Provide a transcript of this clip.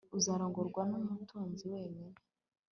azarongorwa numutunzi wenyine